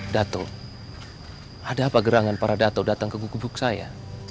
datuk ada apa gerangan para datuk datang ke kubuk saya